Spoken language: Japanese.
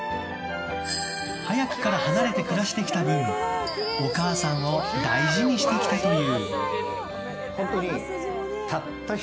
早くから離れて暮らしてきた分お母さんを大事にしてきたという。